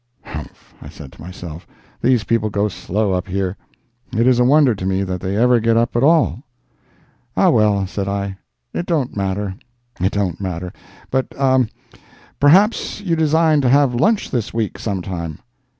Humph! I said to myself, these people go slow up here; it is a wonder to me that they ever get up at all. "Ah, well," said I, "it don't matter—it don't matter. But, ah—perhaps you design to have lunch this week, some time?"